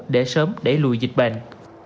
để sớm để lùi dịch bệnh